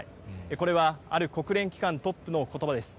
これはある国連機関トップのことばです。